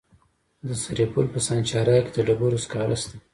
د سرپل په سانچارک کې د ډبرو سکاره شته.